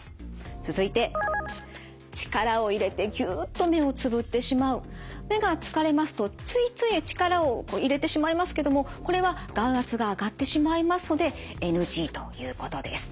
続いて力を入れて目が疲れますとついつい力を入れてしまいますけどもこれは眼圧が上がってしまいますのでＮＧということです。